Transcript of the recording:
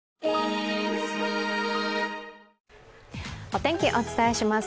お天気、お伝えします。